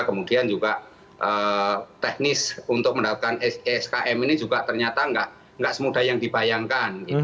kemudian juga teknis untuk mendapatkan skm ini juga ternyata nggak semudah yang dibayangkan